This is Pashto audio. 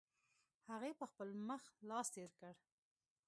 هغې په خپل مخ لاس تېر کړ.